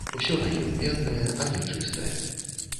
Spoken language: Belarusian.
Усё на ім беднае, але чыстае.